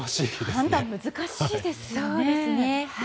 判断、難しいですよね。